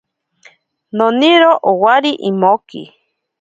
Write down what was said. Noniro owari emoki.